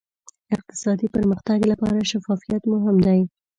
اقتصادي پرمختګ لپاره شفافیت مهم دی.